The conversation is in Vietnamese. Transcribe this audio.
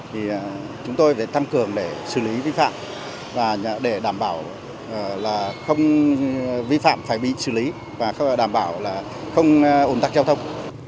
thì chúng tôi phải tăng cường để xử lý vi phạm và để đảm bảo là không vi phạm phải bị xử lý và đảm bảo là không ổn tắc giao thông